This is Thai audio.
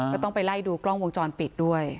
ก็ต้องไปไล่ดูกล้องวงจรปิดด้วย